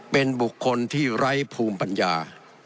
เป็นบุคคลที่ไร้ภูมิปัญญา